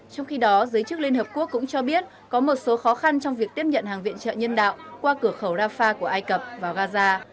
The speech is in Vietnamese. trong khi đó giới chức liên hợp quốc cũng cho biết có một số khó khăn trong việc tiếp nhận hàng viện trợ nhân đạo qua cửa khẩu rafah của ai cập vào gaza